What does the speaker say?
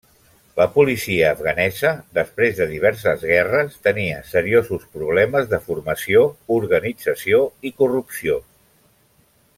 La policia afganesa, després de diverses guerres, tenia seriosos problemes de formació, organització i corrupció.